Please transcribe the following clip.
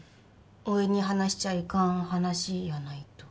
おいに話しちゃいかん話やないと？